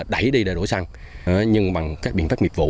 các đối tượng đã đẩy đi để đổ xăng nhưng bằng các biện pháp nghiệp vụ